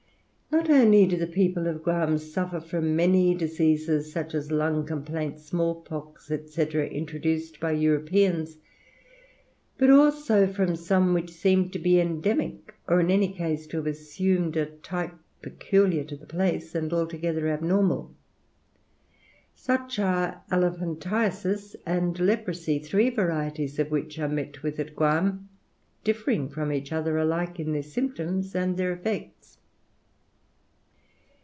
Not only do the people of Guam suffer from many diseases, such as lung complaints, smallpox, &c., introduced by Europeans; but also from some which seem to be endemic, or in any case to have assumed a type peculiar to the place and altogether abnormal. Such are elephantiasis and leprosy, three varieties of which are met with at Guam, differing from each other alike in their symptoms and their effects.